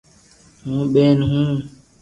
ھو ٻين ھون